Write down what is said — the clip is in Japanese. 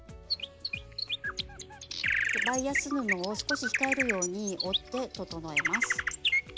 バイアス布を少し控えるように折って整えます。